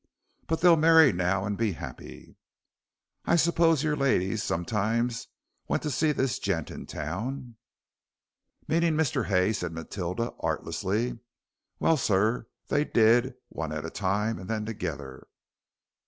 But they'll marry now an' be 'appy." "I suppose your ladies sometimes went to see this gent in town?" "Meanin' Mr. Hay," said Matilda, artlessly. "Well, sir, they did, one at a time and then together.